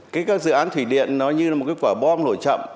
cái các dự án thủy điện nó như là một cái quả bom nổi chậm